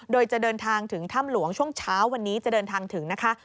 โดยจะเดินทางถึงถ้ำหลวงช่วงเช้าวันนี้จะเดินทางถึงนะคะ